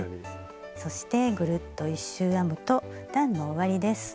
そしてぐるっと１周編むと段の終わりです。